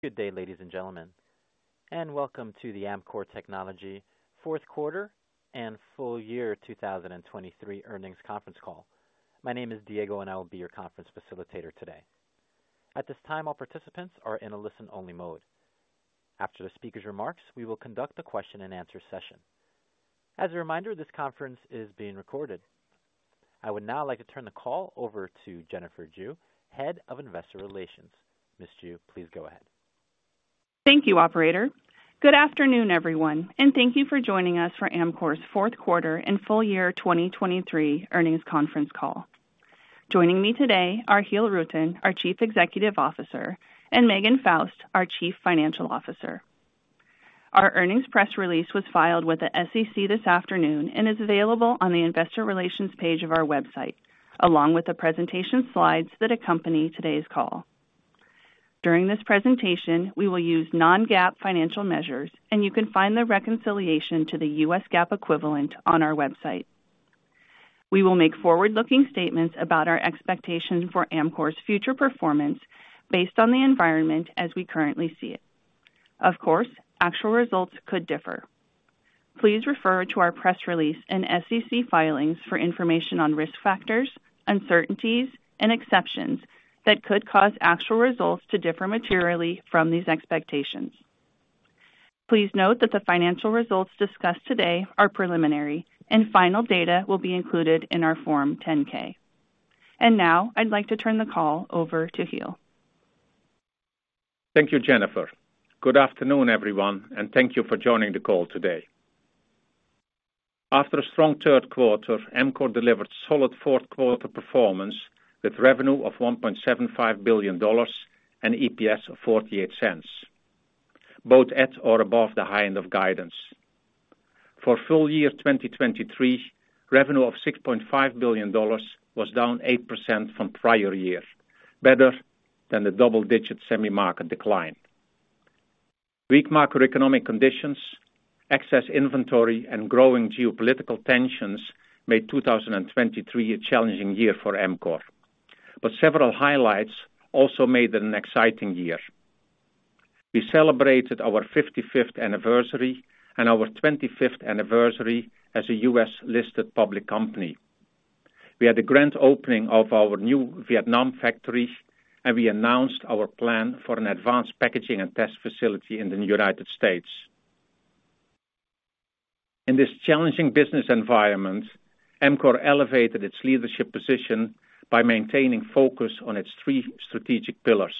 Good day, ladies and gentlemen, and welcome to the Amkor Technology fourth quarter and full year 2023 earnings conference call. My name is Diego, and I will be your conference facilitator today. At this time, all participants are in a listen-only mode. After the speaker's remarks, we will conduct a question and answer session. As a reminder, this conference is being recorded. I would now like to turn the call over to Jennifer Jue, Head of Investor Relations. Miss Jue, please go ahead. Thank you, operator. Good afternoon, everyone, and thank you for joining us for Amkor's Fourth Quarter and Full Year 2023 earnings conference call. Joining me today are Giel Rutten, our Chief Executive Officer, and Megan Faust, our Chief Financial Officer. Our earnings press release was filed with the SEC this afternoon and is available on the investor relations page of our website, along with the presentation slides that accompany today's call. During this presentation, we will use non-GAAP financial measures, and you can find the reconciliation to the U.S. GAAP equivalent on our website. We will make forward-looking statements about our expectation for Amkor's future performance based on the environment as we currently see it. Of course, actual results could differ. Please refer to our press release and SEC filings for information on risk factors, uncertainties, and exceptions that could cause actual results to differ materially from these expectations. Please note that the financial results discussed today are preliminary and final data will be included in our Form 10-K. Now I'd like to turn the call over to Giel. Thank you, Jennifer. Good afternoon, everyone, and thank you for joining the call today. After a strong third quarter, Amkor delivered solid fourth quarter performance with revenue of $1.75 billion and EPS of $0.48, both at or above the high end of guidance. For full year 2023, revenue of $6.5 billion was down 8% from prior year, better than the double-digit semi market decline. Weak macroeconomic conditions, excess inventory, and growing geopolitical tensions made 2023 a challenging year for Amkor, but several highlights also made it an exciting year. We celebrated our 55th anniversary and our 25th anniversary as a U.S.-listed public company. We had the grand opening of our new Vietnam factory, and we announced our plan for an advanced packaging and test facility in the United States. In this challenging business environment, Amkor elevated its leadership position by maintaining focus on its three strategic pillars.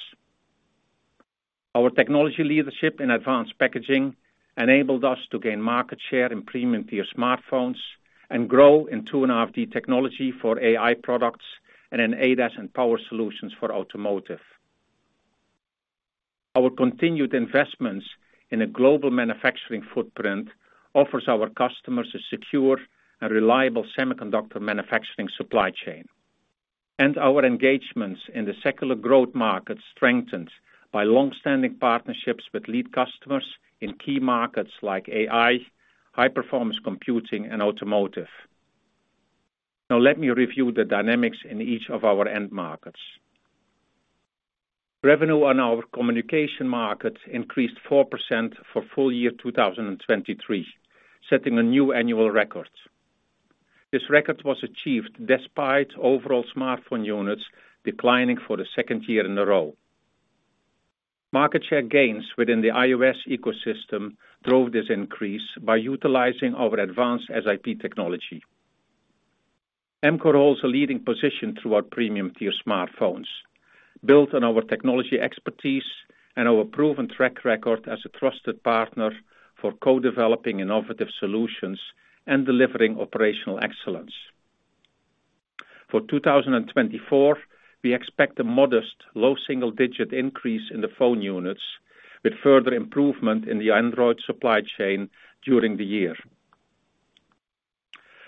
Our technology leadership in advanced packaging enabled us to gain market share in premium-tier smartphones and grow in 2.5D technology for AI products and in ADAS and power solutions for automotive. Our continued investments in a global manufacturing footprint offers our customers a secure and reliable semiconductor manufacturing supply chain. And our engagements in the secular growth market strengthened by long-standing partnerships with lead customers in key markets like AI, high-performance computing, and automotive. Now, let me review the dynamics in each of our end markets. Revenue on our communication market increased 4% for full year 2023, setting a new annual record. This record was achieved despite overall smartphone units declining for the second year in a row. Market share gains within the iOS ecosystem drove this increase by utilizing our advanced SiP technology. Amkor holds a leading position through our premium-tier smartphones, built on our technology expertise and our proven track record as a trusted partner for co-developing innovative solutions and delivering operational excellence. For 2024, we expect a modest, low single-digit increase in the phone units, with further improvement in the Android supply chain during the year.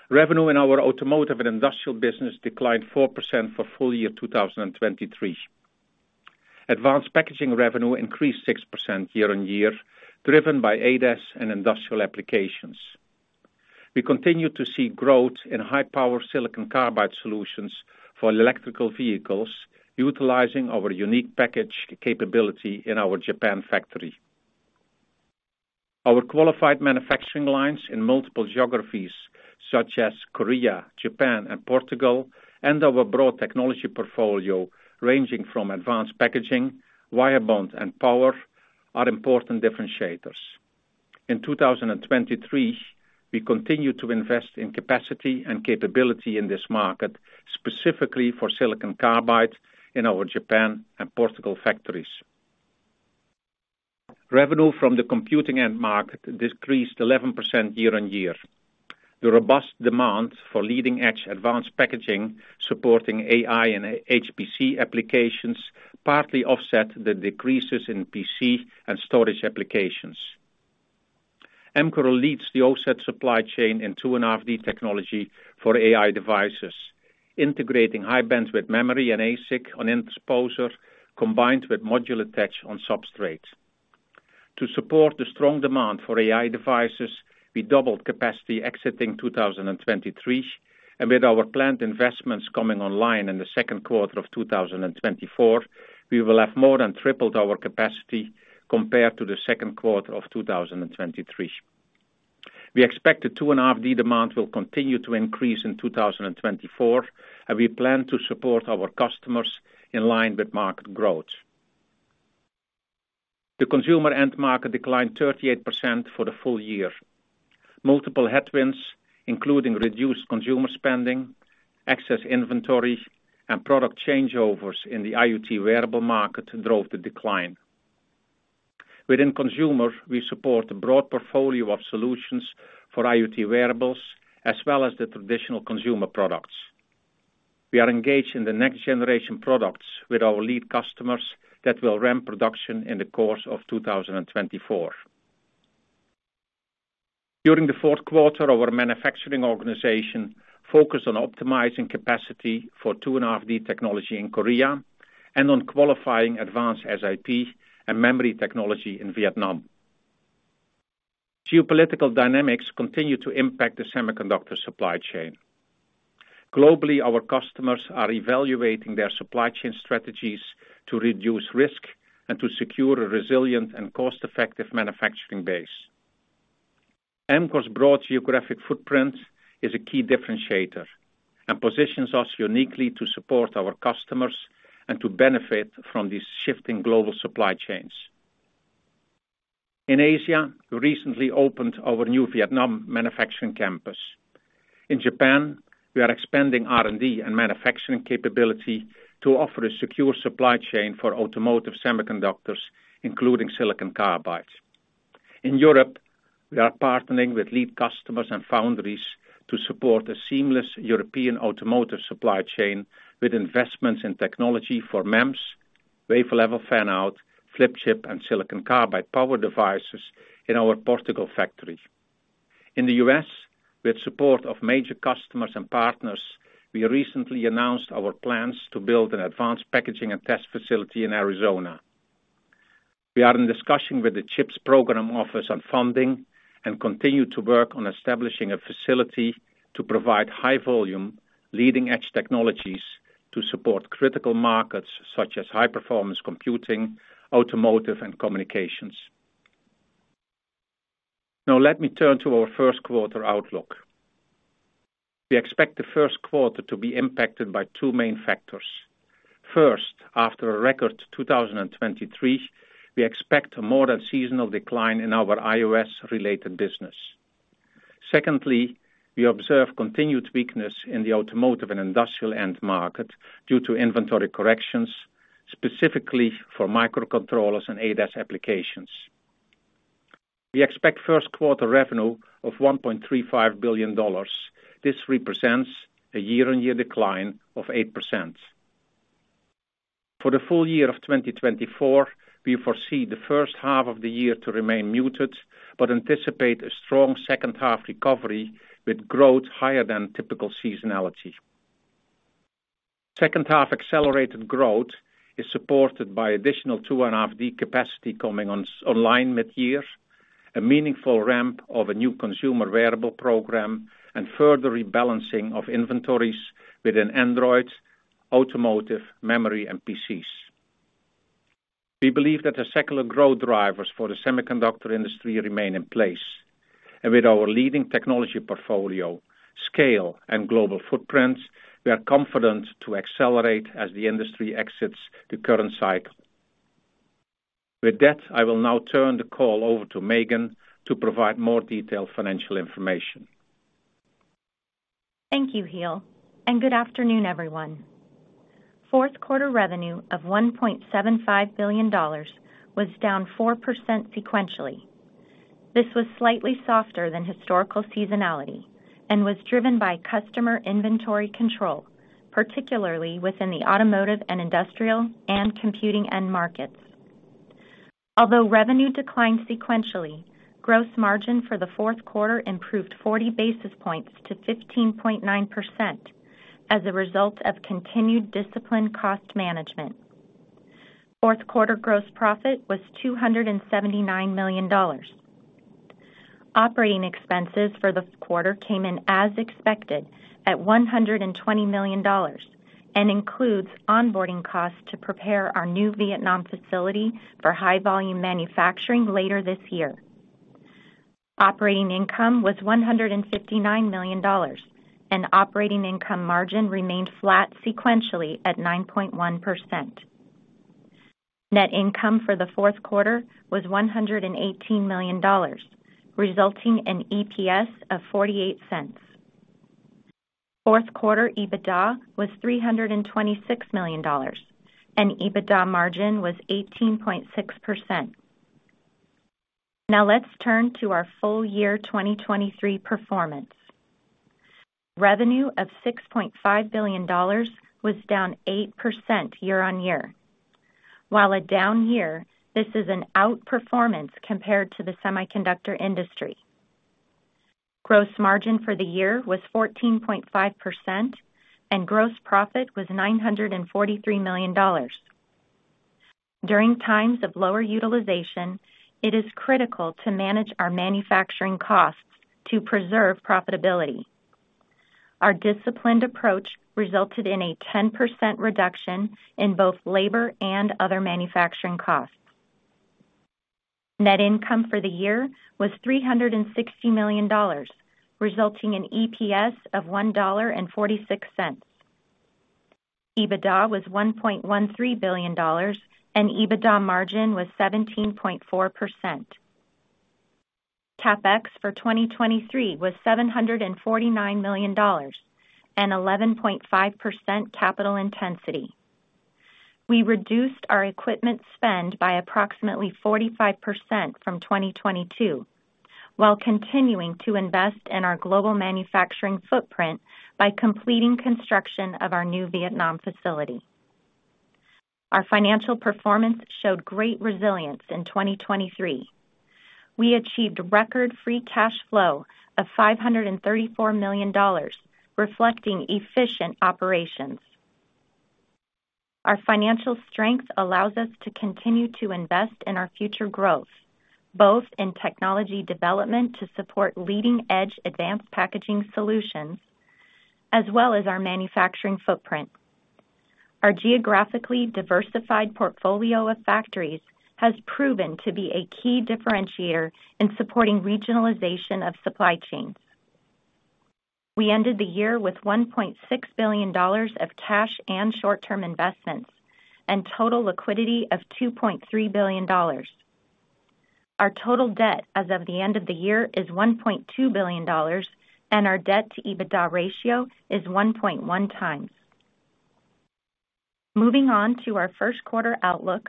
Revenue in our automotive and industrial business declined 4% for full year 2023. Advanced packaging revenue increased 6% year-on-year, driven by ADAS and industrial applications. We continue to see growth in high-power silicon carbide solutions for electric vehicles, utilizing our unique package capability in our Japan factory. Our qualified manufacturing lines in multiple geographies such as Korea, Japan, and Portugal, and our broad technology portfolio, ranging from advanced packaging, wirebond, and power, are important differentiators. In 2023, we continued to invest in capacity and capability in this market, specifically for silicon carbide in our Japan and Portugal factories. Revenue from the computing end market decreased 11% year-on-year. The robust demand for leading-edge advanced packaging, supporting AI and HPC applications, partly offset the decreases in PC and storage applications. Amkor leads the OSAT supply chain in 2.5D technology for AI devices, integrating high-bandwidth memory and ASIC on interposer, combined with module attach on substrate. To support the strong demand for AI devices, we doubled capacity exiting 2023, and with our planned investments coming online in the second quarter of 2024, we will have more than tripled our capacity compared to the second quarter of 2023. We expect the 2.5D demand will continue to increase in 2024, and we plan to support our customers in line with market growth. The consumer end market declined 38% for the full year. Multiple headwinds, including reduced consumer spending, excess inventory, and product changeovers in the IoT wearable market, drove the decline. Within consumer, we support a broad portfolio of solutions for IoT wearables as well as the traditional consumer products. We are engaged in the next generation products with our lead customers that will ramp production in the course of 2024. During the fourth quarter, our manufacturing organization focused on optimizing capacity for 2.5D technology in Korea and on qualifying advanced SiP and memory technology in Vietnam. Geopolitical dynamics continue to impact the semiconductor supply chain. Globally, our customers are evaluating their supply chain strategies to reduce risk and to secure a resilient and cost-effective manufacturing base. Amkor's broad geographic footprint is a key differentiator and positions us uniquely to support our customers and to benefit from these shifting global supply chains. In Asia, we recently opened our new Vietnam manufacturing campus. In Japan, we are expanding R&D and manufacturing capability to offer a secure supply chain for automotive semiconductors, including silicon carbide. In Europe, we are partnering with lead customers and foundries to support a seamless European automotive supply chain with investments in technology for MEMS, wafer-level fan-out, flip chip, and silicon carbide power devices in our Portugal factory. In the U.S., with support of major customers and partners, we recently announced our plans to build an advanced packaging and test facility in Arizona. We are in discussion with the CHIPS Program Office on funding and continue to work on establishing a facility to provide high volume, leading-edge technologies to support critical markets such as high-performance computing, automotive, and communications. Now let me turn to our first quarter outlook. We expect the first quarter to be impacted by two main factors. First, after a record 2023, we expect a more than seasonal decline in our iOS-related business. Secondly, we observe continued weakness in the automotive and industrial end market due to inventory corrections, specifically for microcontrollers and ADAS applications. We expect first quarter revenue of $1.35 billion. This represents a year-on-year decline of 8%. For the full year of 2024, we foresee the first half of the year to remain muted, but anticipate a strong second half recovery with growth higher than typical seasonality. Second half accelerated growth is supported by additional 2.5D capacity coming online mid-year, a meaningful ramp of a new consumer wearable program, and further rebalancing of inventories within Android, automotive, memory, and PCs. We believe that the secular growth drivers for the semiconductor industry remain in place, and with our leading technology portfolio, scale, and global footprint, we are confident to accelerate as the industry exits the current cycle. With that, I will now turn the call over to Megan to provide more detailed financial information. Thank you, Giel, and good afternoon, everyone. Fourth quarter revenue of $1.75 billion was down 4% sequentially. This was slightly softer than historical seasonality and was driven by customer inventory control, particularly within the automotive and industrial and computing end markets. Although revenue declined sequentially, gross margin for the fourth quarter improved 40 basis points to 15.9% as a result of continued disciplined cost management. Fourth quarter gross profit was $279 million. Operating expenses for the quarter came in as expected, at $120 million, and includes onboarding costs to prepare our new Vietnam facility for high-volume manufacturing later this year. Operating income was $159 million, and operating income margin remained flat sequentially at 9.1%. Net income for the fourth quarter was $118 million, resulting in EPS of $0.48. Fourth quarter EBITDA was $326 million, and EBITDA margin was 18.6%. Now, let's turn to our full year 2023 performance. Revenue of $6.5 billion was down 8% year-on-year. While a down year, this is an outperformance compared to the semiconductor industry. Gross margin for the year was 14.5%, and gross profit was $943 million. During times of lower utilization, it is critical to manage our manufacturing costs to preserve profitability. Our disciplined approach resulted in a 10% reduction in both labor and other manufacturing costs. Net income for the year was $360 million, resulting in EPS of $1.46. EBITDA was $1.13 billion, and EBITDA margin was 17.4%. CapEx for 2023 was $749 million and 11.5% capital intensity. We reduced our equipment spend by approximately 45% from 2022, while continuing to invest in our global manufacturing footprint by completing construction of our new Vietnam facility. Our financial performance showed great resilience in 2023. We achieved record free cash flow of $534 million, reflecting efficient operations. Our financial strength allows us to continue to invest in our future growth, both in technology development to support leading-edge advanced packaging solutions, as well as our manufacturing footprint. Our geographically diversified portfolio of factories has proven to be a key differentiator in supporting regionalization of supply chains. We ended the year with $1.6 billion of cash and short-term investments, and total liquidity of $2.3 billion. Our total debt as of the end of the year is $1.2 billion, and our debt-to-EBITDA ratio is 1.1x. Moving on to our first quarter outlook,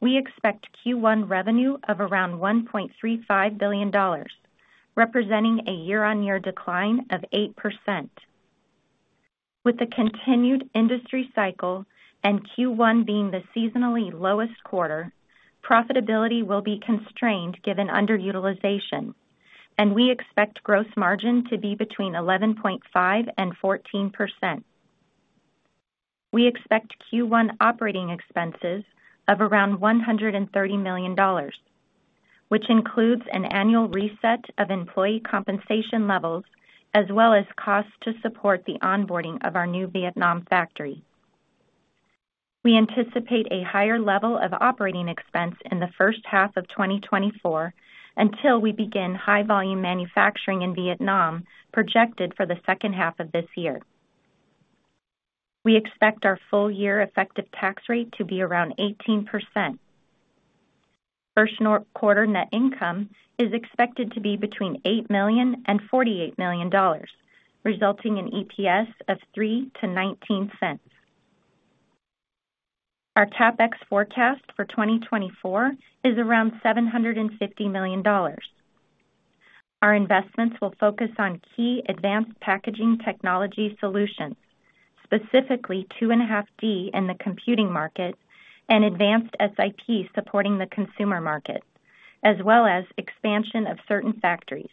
we expect Q1 revenue of around $1.35 billion, representing a year-on-year decline of 8%. With the continued industry cycle and Q1 being the seasonally lowest quarter, profitability will be constrained given underutilization, and we expect gross margin to be between 11.5% and 14%. We expect Q1 operating expenses of around $130 million, which includes an annual reset of employee compensation levels, as well as costs to support the onboarding of our new Vietnam factory. We anticipate a higher level of operating expense in the first half of 2024, until we begin high volume manufacturing in Vietnam, projected for the second half of this year. We expect our full year effective tax rate to be around 18%. First quarter net income is expected to be between $8 million and $48 million, resulting in EPS of $0.03-$0.19. Our CapEx forecast for 2024 is around $750 million. Our investments will focus on key advanced packaging technology solutions, specifically 2.5D in the computing market and advanced SiP supporting the consumer market, as well as expansion of certain factories.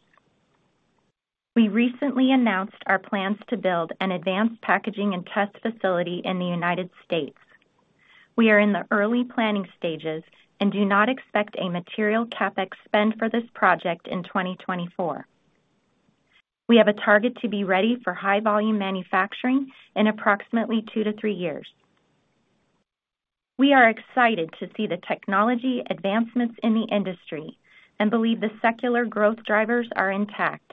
We recently announced our plans to build an advanced packaging and test facility in the United States. We are in the early planning stages and do not expect a material CapEx spend for this project in 2024. We have a target to be ready for high volume manufacturing in approximately 2-3 years. We are excited to see the technology advancements in the industry and believe the secular growth drivers are intact.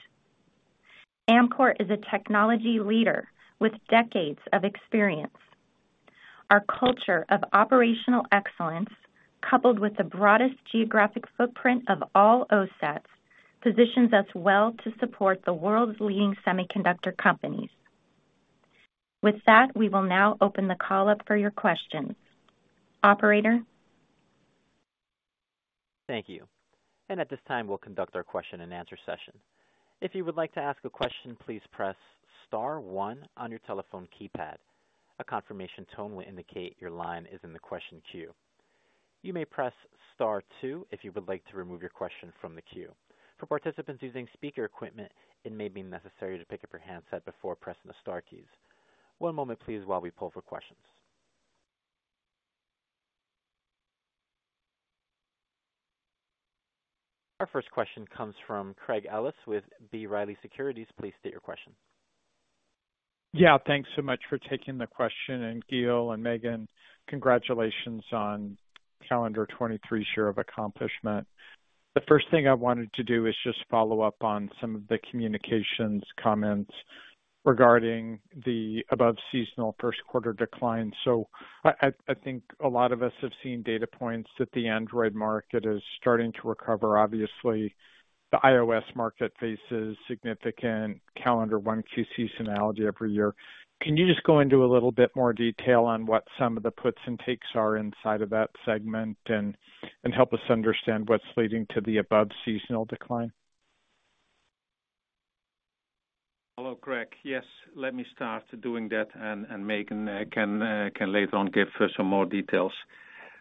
Amkor is a technology leader with decades of experience. Our culture of operational excellence, coupled with the broadest geographic footprint of all OSATs, positions us well to support the world's leading semiconductor companies. With that, we will now open the call up for your questions. Operator? Thank you. And at this time, we'll conduct our question and answer session. If you would like to ask a question, please press star one on your telephone keypad. A confirmation tone will indicate your line is in the question queue. You may press star two if you would like to remove your question from the queue. For participants using speaker equipment, it may be necessary to pick up your handset before pressing the star keys. One moment please, while we pull for questions. Our first question comes from Craig Ellis with B. Riley Securities. Please state your question. Yeah, thanks so much for taking the question, and Giel and Megan, congratulations on calendar 2023 year of accomplishment. The first thing I wanted to do is just follow up on some of the communications comments regarding the above-seasonal first quarter decline. So I think a lot of us have seen data points that the Android market is starting to recover. Obviously, the iOS market faces significant calendar 1Q seasonality every year. Can you just go into a little bit more detail on what some of the puts and takes are inside of that segment and help us understand what's leading to the above-seasonal decline? Hello, Craig. Yes, let me start doing that, and Megan can later on give some more details.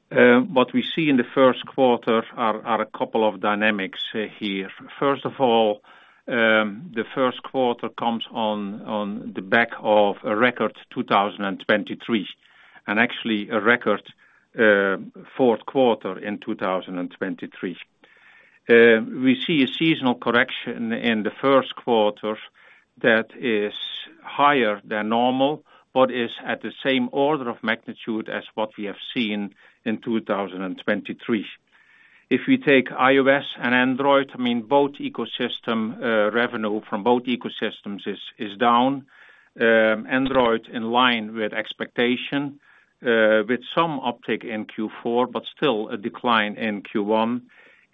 What we see in the first quarter are a couple of dynamics here. First of all, the first quarter comes on the back of a record 2023, and actually a record fourth quarter in 2023. We see a seasonal correction in the first quarter that is higher than normal, but is at the same order of magnitude as what we have seen in 2023. If we take iOS and Android, I mean, both ecosystem, revenue from both ecosystems is down. Android in line with expectation, with some uptick in Q4, but still a decline in Q1.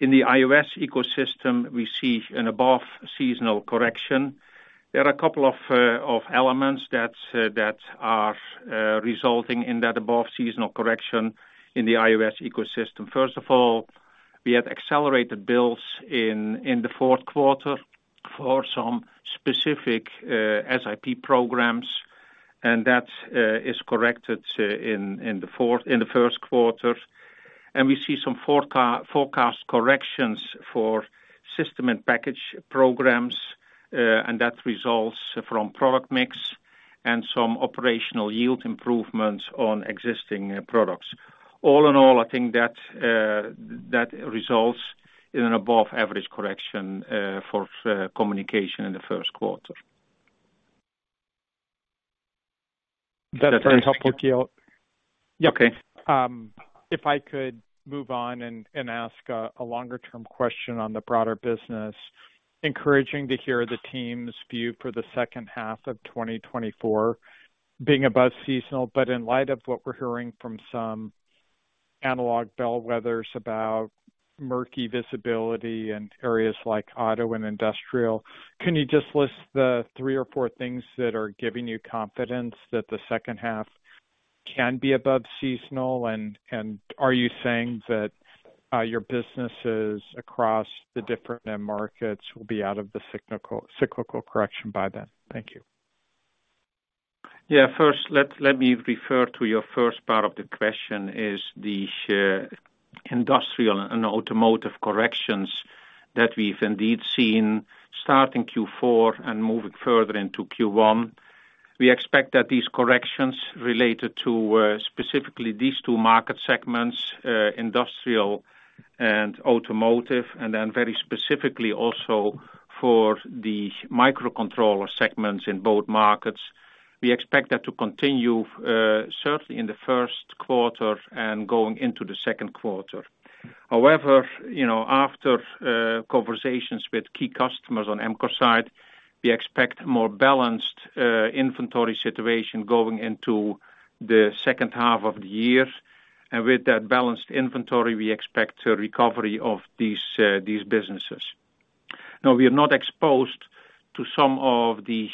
In the iOS ecosystem, we see an above seasonal correction. There are a couple of elements that are resulting in that above seasonal correction in the iOS ecosystem. First of all, we had accelerated builds in the fourth quarter for some specific SiP programs, and that is corrected in the first quarter. And we see some forecast corrections for System-in-Package programs, and that results from product mix and some operational yield improvements on existing products. All in all, I think that results in an above average correction for communication in the first quarter. That's very helpful, Giel. Okay. If I could move on and ask a longer term question on the broader business. Encouraging to hear the team's view for the second half of 2024 being above seasonal, but in light of what we're hearing from some analog bellwethers about murky visibility in areas like auto and industrial, can you just list the three or four things that are giving you confidence that the second half can be above seasonal? And are you saying that your businesses across the different end markets will be out of the cyclical correction by then? Thank you. Yeah, first, let me refer to your first part of the question, the industrial and automotive corrections that we've indeed seen starting Q4 and moving further into Q1. We expect that these corrections related to, specifically these two market segments, industrial and automotive, and then very specifically also for the microcontroller segments in both markets. We expect that to continue, certainly in the first quarter and going into the second quarter. However, you know, after conversations with key customers on Amkor side, we expect more balanced inventory situation going into the second half of the year. And with that balanced inventory, we expect a recovery of these businesses. Now, we are not exposed to some of the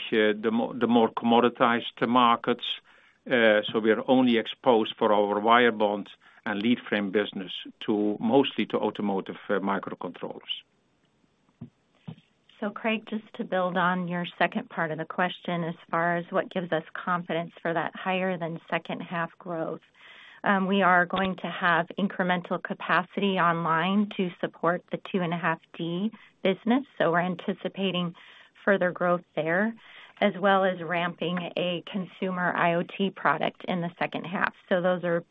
more commoditized markets, so we are only exposed for our wirebond and leadframe business mostly to automotive microcontrollers. So Craig, just to build on your second part of the question, as far as what gives us confidence for that higher than second half growth. We are going to have incremental capacity online to support the 2.5D business, so we're anticipating further growth there, as well as ramping a consumer IoT product in the second half. So those are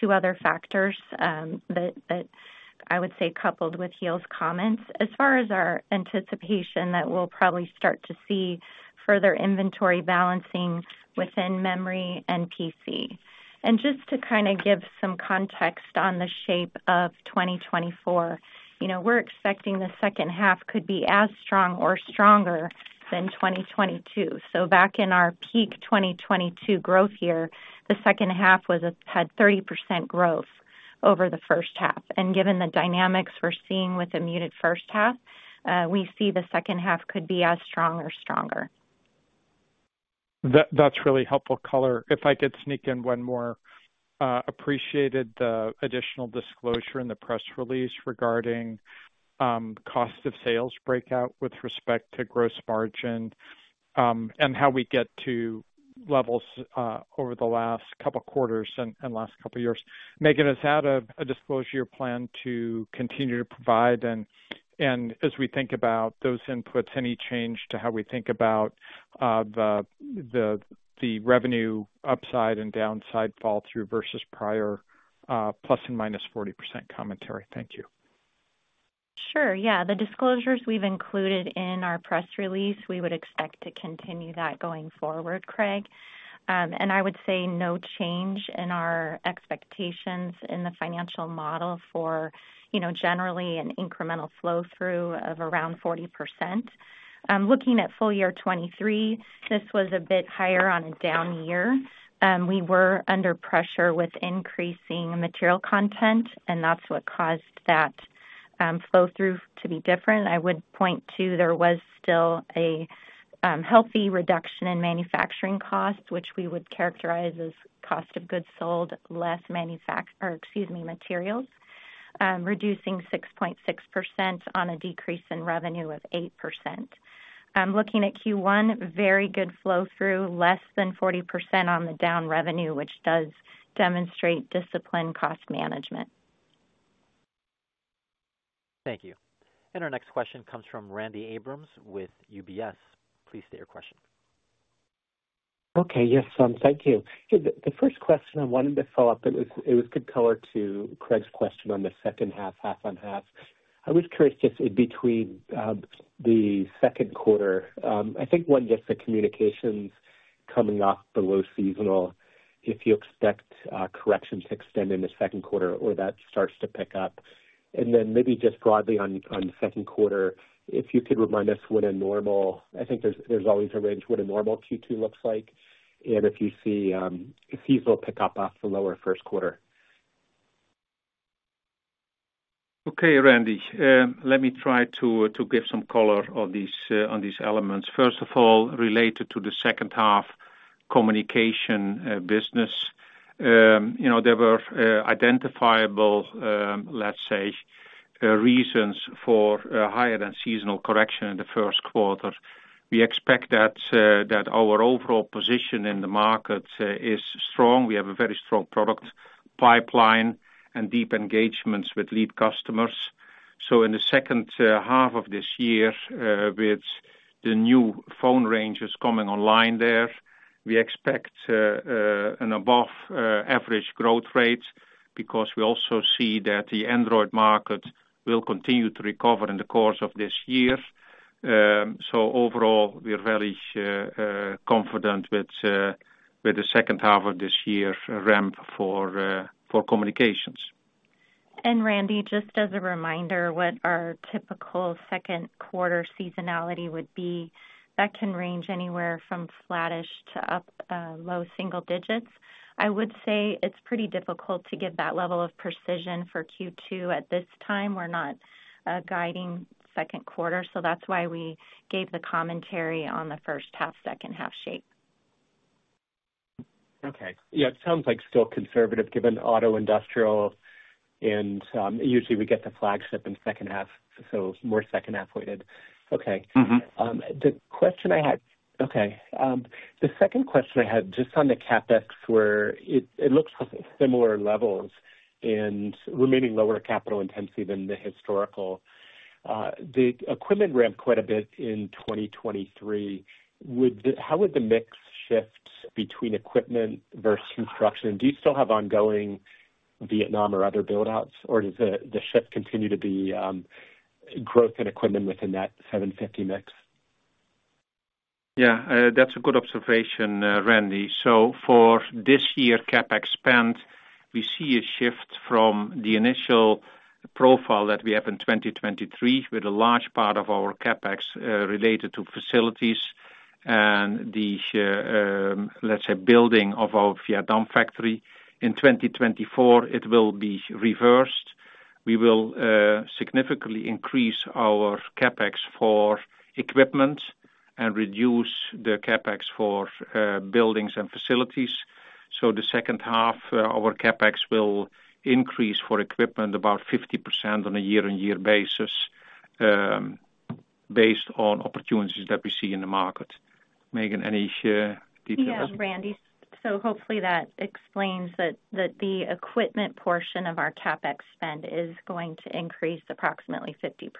two other factors, that, that I would say coupled with Giel's comments. As far as our anticipation, that we'll probably start to see further inventory balancing within memory and PC. And just to kind of give some context on the shape of 2024, you know, we're expecting the second half could be as strong or stronger than 2022. Back in our peak 2022 growth year, the second half had 30% growth over the first half, and given the dynamics we're seeing with the muted first half, we see the second half could be as strong or stronger. That, that's really helpful color. If I could sneak in one more, appreciated the additional disclosure in the press release regarding cost of sales breakout with respect to gross margin, and how we get to levels over the last couple quarters and last couple years. Megan, is that a disclosure plan to continue to provide? And as we think about those inputs, any change to how we think about the revenue upside and downside fall through versus prior plus and minus 40% commentary? Thank you. Sure, yeah. The disclosures we've included in our press release, we would expect to continue that going forward, Craig. And I would say no change in our expectations in the financial model for, you know, generally an incremental flow through of around 40%. Looking at full year 2023, this was a bit higher on a down year. We were under pressure with increasing material content, and that's what caused that flow through to be different. I would point to there was still a healthy reduction in manufacturing costs, which we would characterize as cost of goods sold, less materials, reducing 6.6% on a decrease in revenue of 8%. Looking at Q1, very good flow through, less than 40% on the down revenue, which does demonstrate disciplined cost management. Thank you. Our next question comes from Randy Abrams with UBS. Please state your question. Okay. Yes, thank you. The first question I wanted to follow up, it was good color to Craig's question on the second half, half on half. I was curious just in between the second quarter, I think one gets the communications coming off below seasonal, if you expect correction to extend in the second quarter or that starts to pick up. And then maybe just broadly on the second quarter, if you could remind us what a normal... I think there's always a range, what a normal Q2 looks like, and if you see if these will pick up off the lower first quarter. Okay, Randy, let me try to give some color on these elements. First of all, related to the second half communication business, you know, there were identifiable, let's say, reasons for higher than seasonal correction in the first quarter. We expect that our overall position in the market is strong. We have a very strong product pipeline and deep engagements with lead customers. So in the second half of this year, with the new phone ranges coming online there, we expect an above average growth rate because we also see that the Android market will continue to recover in the course of this year. So overall, we are very confident with the second half of this year ramp for communications. Randy, just as a reminder, what our typical second quarter seasonality would be, that can range anywhere from flattish to up, low single digits. I would say it's pretty difficult to give that level of precision for Q2. At this time, we're not guiding second quarter, so that's why we gave the commentary on the first half, second half shape. Okay. Yeah, it sounds like still conservative, given auto industrial, and usually we get the flagship in second half, so more second half weighted. Okay. Mm-hmm. Okay, the second question I had, just on the CapEx, where it looks similar levels and remaining lower capital intensity than the historical, the equipment ramped quite a bit in 2023. How would the mix shift between equipment versus construction? Do you still have ongoing Vietnam or other build-outs, or does the shift continue to be growth in equipment within that $750 million mix? Yeah, that's a good observation, Randy. So for this year, CapEx spend, we see a shift from the initial profile that we have in 2023, with a large part of our CapEx related to facilities and the, let's say, building of our Vietnam factory. In 2024, it will be reversed. We will significantly increase our CapEx for equipment and reduce the CapEx for buildings and facilities. So the second half, our CapEx will increase for equipment about 50% on a year-on-year basis, based on opportunities that we see in the market. Megan, any details? Yeah, Randy. So hopefully that explains that, that the equipment portion of our CapEx spend is going to increase approximately 50%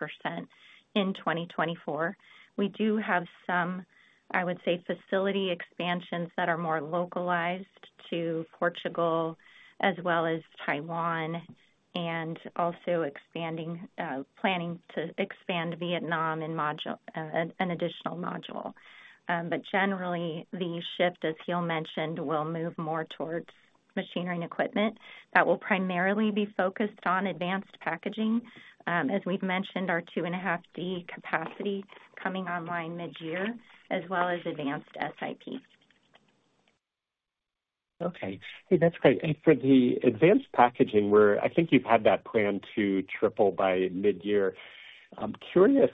in 2024. We do have some, I would say, facility expansions that are more localized to Portugal as well as Taiwan, and also expanding, planning to expand Vietnam in module, an additional module. But generally, the shift, as Giel mentioned, will move more towards machinery and equipment that will primarily be focused on advanced packaging, as we've mentioned, our 2.5D capacity coming online mid-year, as well as advanced SiP. Okay. Hey, that's great. And for the advanced packaging, where I think you've had that plan to triple by mid-year, I'm curious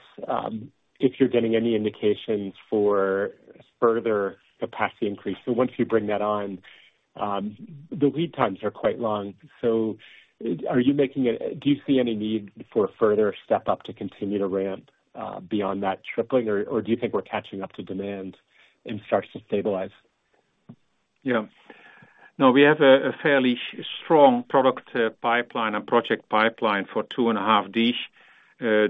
if you're getting any indications for further capacity increase. So once you bring that on, the lead times are quite long, so do you see any need for further step up to continue to ramp beyond that tripling, or, or do you think we're catching up to demand and starts to stabilize? Yeah. No, we have a fairly strong product pipeline and project pipeline for 2.5D,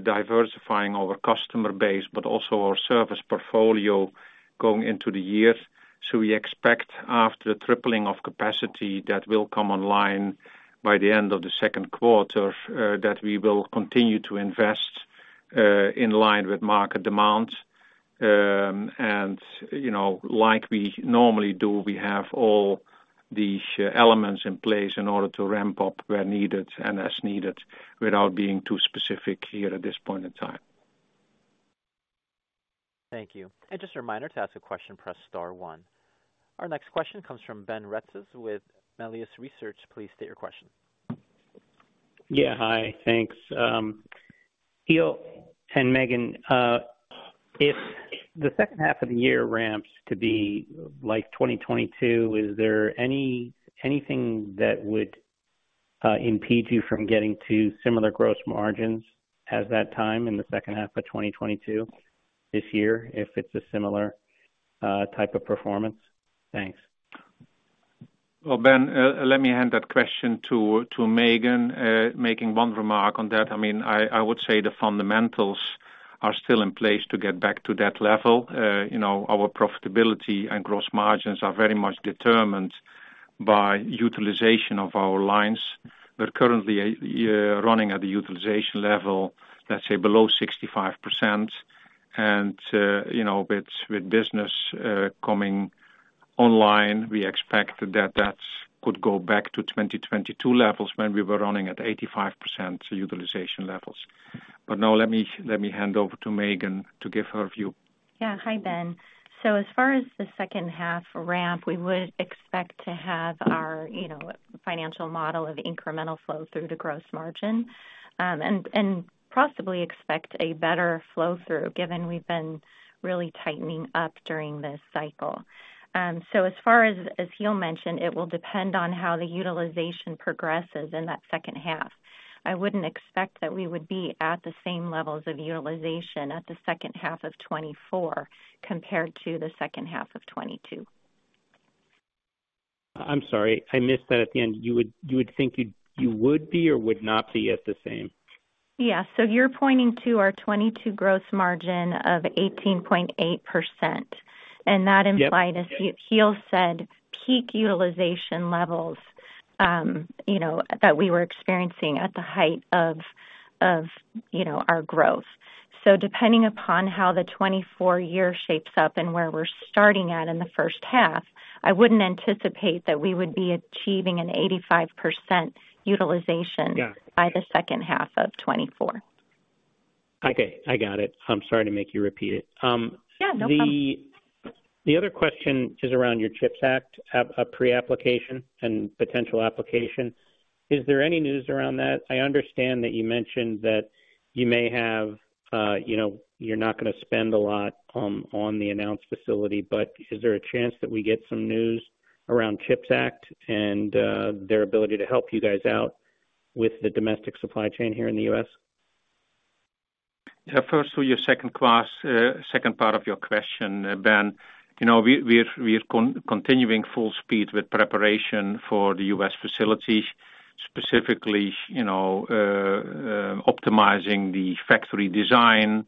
diversifying our customer base, but also our service portfolio going into the year. So we expect after the tripling of capacity, that will come online by the end of the second quarter, that we will continue to invest in line with market demand. And, you know, like we normally do, we have all the elements in place in order to ramp up where needed and as needed, without being too specific here at this point in time. Thank you. Just a reminder, to ask a question, press star one. Our next question comes from Ben Reitzes with Melius Research. Please state your question. Yeah. Hi, thanks, Giel and Megan, if the second half of the year ramps to be like 2022, is there anything that would impede you from getting to similar gross margins as that time in the second half of 2022, this year, if it's a similar type of performance? Thanks. Well, Ben, let me hand that question to Megan, making one remark on that. I mean, I would say the fundamentals are still in place to get back to that level. You know, our profitability and gross margins are very much determined by utilization of our lines. We're currently running at a utilization level, let's say, below 65%, and you know, with business coming online, we expect that that could go back to 2022 levels when we were running at 85% utilization levels. But now let me hand over to Megan to give her view. Yeah. Hi, Ben. So as far as the second half ramp, we would expect to have our, you know, financial model of incremental flow through the gross margin, and, and possibly expect a better flow through, given we've been really tightening up during this cycle. So as far as, as Giel mentioned, it will depend on how the utilization progresses in that second half. I wouldn't expect that we would be at the same levels of utilization at the second half of 2024, compared to the second half of 2022. I'm sorry, I missed that at the end. You would think you would be or would not be at the same? Yeah. So you're pointing to our 2022 gross margin of 18.8%, and that implied- Yep. As Giel said, peak utilization levels, you know, that we were experiencing at the height of, you know, our growth. So depending upon how the 2024 year shapes up and where we're starting at in the first half, I wouldn't anticipate that we would be achieving an 85% utilization- Got it. -by the second half of 2024. Okay, I got it. I'm sorry to make you repeat it. Yeah, no problem. The other question is around your CHIPS Act, a pre-application and potential application. Is there any news around that? I understand that you mentioned that you may have, you know, you're not gonna spend a lot on the announced facility, but is there a chance that we get some news around CHIPS Act and their ability to help you guys out with the domestic supply chain here in the U.S.? Yeah, first, to your second part of your question, Ben, you know, we're continuing full speed with preparation for the U.S. facility, specifically, you know, optimizing the factory design,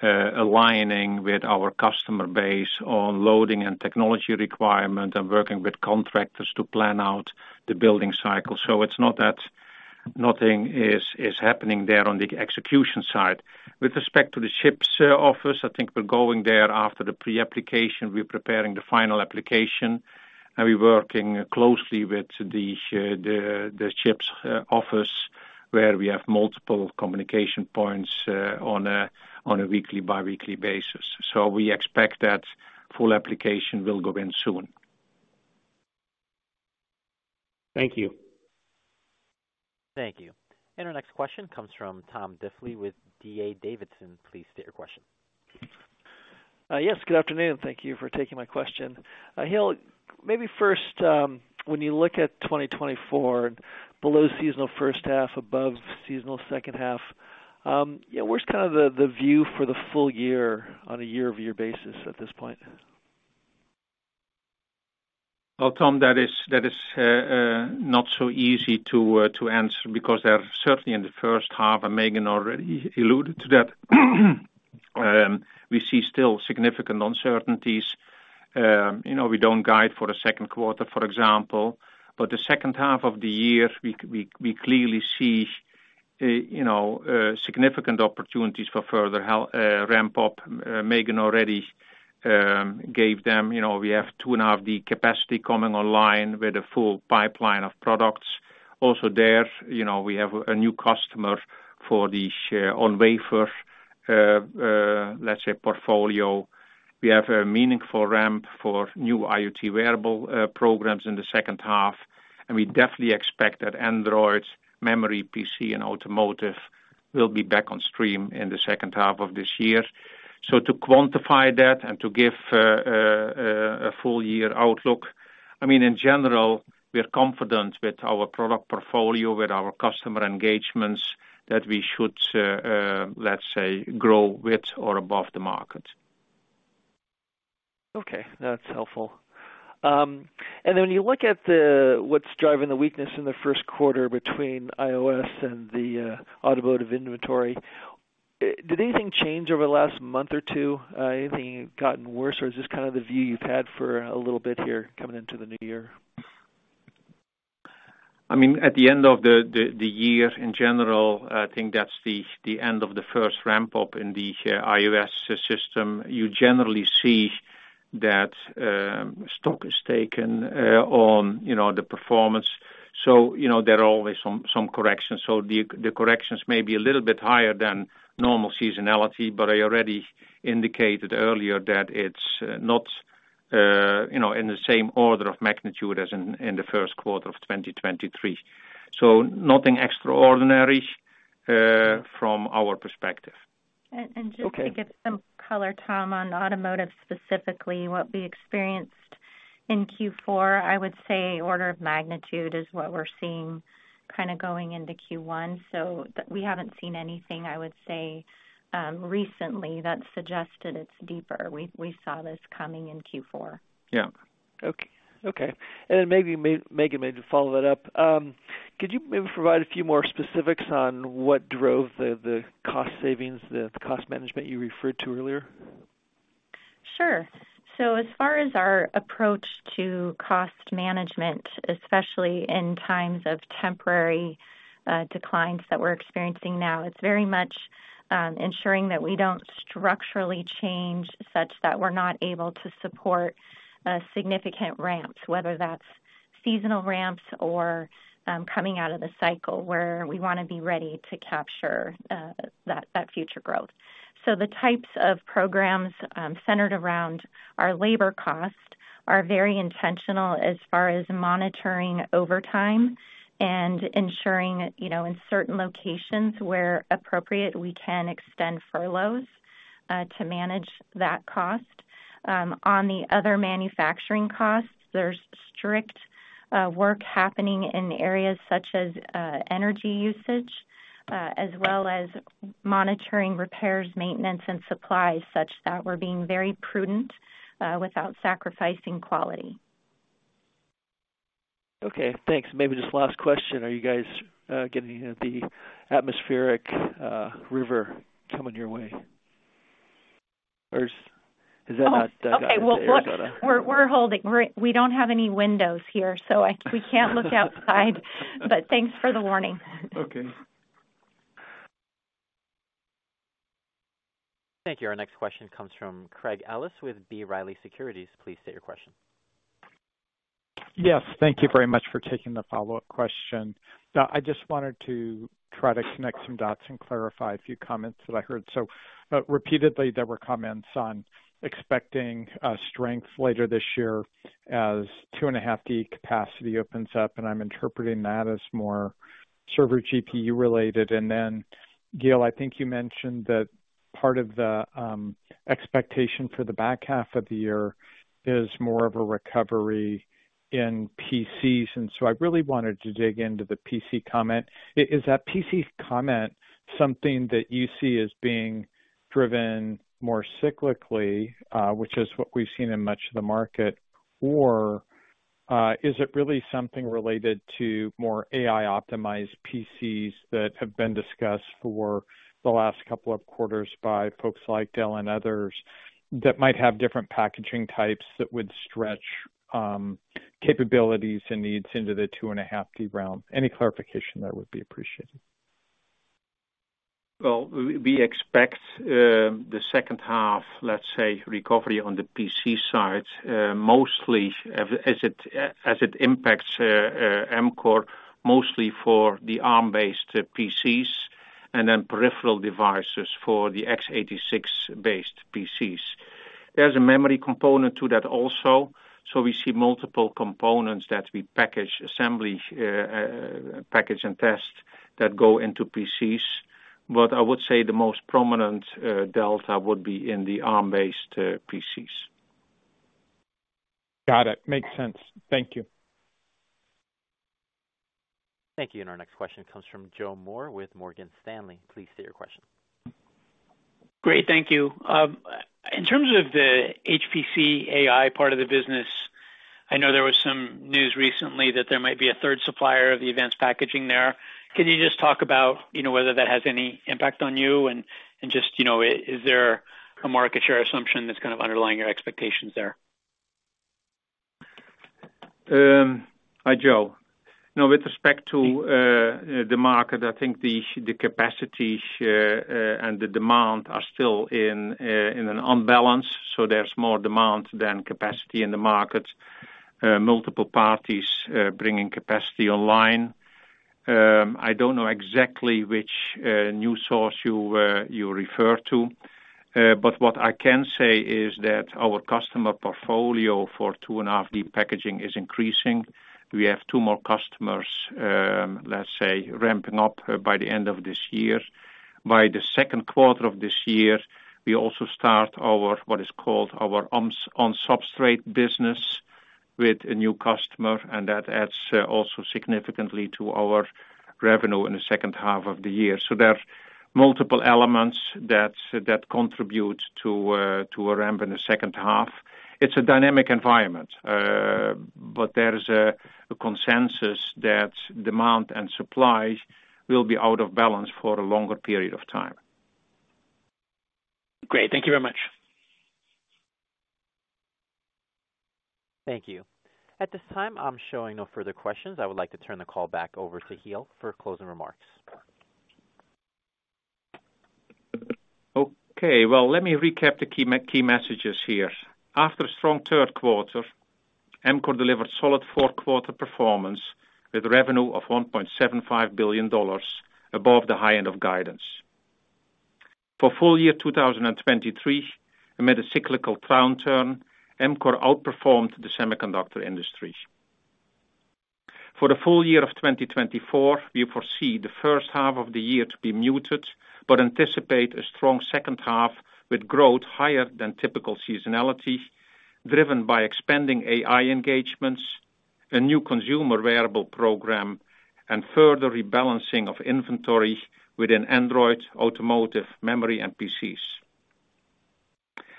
aligning with our customer base on loading and technology requirement, and working with contractors to plan out the building cycle. So it's not that nothing is happening there on the execution side. With respect to the CHIPS office, I think we're going there after the pre-application. We're preparing the final application, and we're working closely with the CHIPS office, where we have multiple communication points on a weekly, biweekly basis. So we expect that full application will go in soon. Thank you. Thank you. Our next question comes from Tom Diffely with D.A. Davidson. Please state your question. Yes, good afternoon. Thank you for taking my question. Giel, maybe first, when you look at 2024, below seasonal first half, above seasonal second half, where's kind of the, the view for the full year on a year-over-year basis at this point? Well, Tom, that is not so easy to answer because there are certainly in the first half, and Megan already alluded to that, we see still significant uncertainties. You know, we don't guide for the second quarter, for example, but the second half of the year, we clearly see significant opportunities for further ramp up. Megan already gave them. You know, we have 2.5D the capacity coming online with a full pipeline of products. Also there, you know, we have a new customer for the chip-on-wafer, let's say, portfolio. We have a meaningful ramp for new IoT wearable programs in the second half, and we definitely expect that Android, memory, PC, and automotive will be back on stream in the second half of this year. So to quantify that and to give a full year outlook, I mean, in general, we are confident with our product portfolio, with our customer engagements, that we should, let's say, grow with or above the market. Okay, that's helpful. And then when you look at the... what's driving the weakness in the first quarter between iOS and the automotive inventory, did anything change over the last month or two? Anything gotten worse, or is this kind of the view you've had for a little bit here coming into the new year? I mean, at the end of the year in general, I think that's the end of the first ramp up in the iOS system. You generally see that stock is taken on, you know, the performance. So, you know, there are always some corrections. So the corrections may be a little bit higher than normal seasonality, but I already indicated earlier that it's not you know, in the same order of magnitude as in the first quarter of 2023. So nothing extraordinary from our perspective. And just- Okay. To give some color, Tom, on automotive, specifically, what we experienced in Q4, I would say order of magnitude is what we're seeing kind of going into Q1. So we haven't seen anything, I would say, recently that suggested it's deeper. We saw this coming in Q4. Yeah. Okay. Okay, and maybe Megan, maybe follow that up. Could you maybe provide a few more specifics on what drove the cost savings, the cost management you referred to earlier? Sure. So as far as our approach to cost management, especially in times of temporary declines that we're experiencing now, it's very much ensuring that we don't structurally change such that we're not able to support significant ramps, whether that's seasonal ramps or coming out of the cycle, where we wanna be ready to capture that future growth. So the types of programs centered around our labor costs are very intentional as far as monitoring overtime and ensuring, you know, in certain locations where appropriate, we can extend furloughs to manage that cost. On the other manufacturing costs, there's strict work happening in areas such as energy usage as well as monitoring repairs, maintenance, and supplies, such that we're being very prudent without sacrificing quality. Okay, thanks. Maybe just last question, are you guys getting any of the atmospheric river coming your way? Or has that not- Okay, well, look, we're holding. We're... We don't have any windows here, so we can't look outside, but thanks for the warning. Okay. Thank you. Our next question comes from Craig Ellis with B. Riley Securities. Please state your question. Yes, thank you very much for taking the follow-up question. Now, I just wanted to try to connect some dots and clarify a few comments that I heard. So, repeatedly, there were comments on expecting strength later this year as 2.5D capacity opens up, and I'm interpreting that as more server GPU related. And then, Giel, I think you mentioned that part of the expectation for the back half of the year is more of a recovery in PCs, and so I really wanted to dig into the PC comment. Is that PC comment something that you see as being driven more cyclically, which is what we've seen in much of the market? Or, is it really something related to more AI-optimized PCs that have been discussed for the last couple of quarters by folks like Dell and others, that might have different packaging types that would stretch, capabilities and needs into the 2.5D realm? Any clarification there would be appreciated. Well, we expect the second half, let's say, recovery on the PC side, mostly as it impacts Amkor, mostly for the ARM-based PCs and then peripheral devices for the x86-based PCs. There's a memory component to that also, so we see multiple components that we package, assembly, package, and test that go into PCs, but I would say the most prominent delta would be in the ARM-based PCs. Got it. Makes sense. Thank you. Thank you. Our next question comes from Joe Moore with Morgan Stanley. Please state your question. Great, thank you. In terms of the HPC AI part of the business, I know there was some news recently that there might be a third supplier of the advanced packaging there. Can you just talk about, you know, whether that has any impact on you, and, and just, you know, is there a market share assumption that's kind of underlying your expectations there? Hi, Joe. Now, with respect to the market, I think the capacity and the demand are still in an imbalance, so there's more demand than capacity in the market. Multiple parties bringing capacity online. I don't know exactly which news source you refer to, but what I can say is that our customer portfolio for 2.5D packaging is increasing. We have two more customers, let's say, ramping up by the end of this year. By the second quarter of this year, we also start our, what is called our on-substrate business with a new customer, and that adds also significantly to our revenue in the second half of the year. So there are multiple elements that contribute to a ramp in the second half. It's a dynamic environment, but there is a consensus that demand and supply will be out of balance for a longer period of time. Great. Thank you very much. Thank you. At this time, I'm showing no further questions. I would like to turn the call back over to Giel for closing remarks. Okay, well, let me recap the key messages here. After a strong third quarter, Amkor delivered solid fourth quarter performance with revenue of $1.75 billion, above the high end of guidance. For full year 2023, amid a cyclical downturn, Amkor outperformed the semiconductor industry. For the full year of 2024, we foresee the first half of the year to be muted, but anticipate a strong second half, with growth higher than typical seasonality, driven by expanding AI engagements, a new consumer wearable program, and further rebalancing of inventory within Android, automotive, memory, and PCs.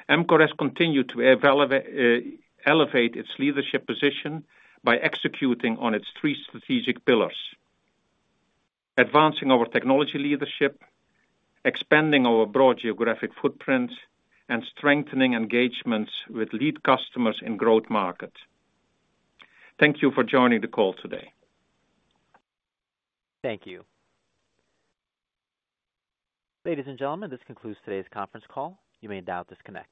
Amkor has continued to elevate its leadership position by executing on its three strategic pillars: advancing our technology leadership, expanding our broad geographic footprint, and strengthening engagements with lead customers in growth markets. Thank you for joining the call today. Thank you. Ladies and gentlemen, this concludes today's conference call. You may now disconnect.